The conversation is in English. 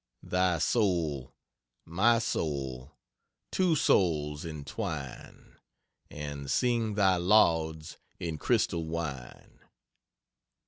Thy soul, my soul, two souls entwine, And sing thy lauds in crystal wine!"